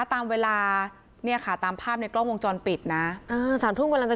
ตามเวลาเนี่ยค่ะตามภาพในกล้องวงจรปิดนะอ่าสามทุ่มกำลังจะ